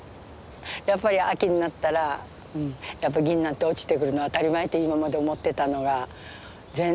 やっぱり秋になったらギンナンって落ちてくるの当たり前って今まで思ってたのが全然ならなくてね。